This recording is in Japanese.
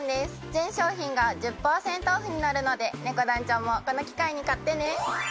全商品が１０％オフになるのでねこ団長もこの機会に買ってね。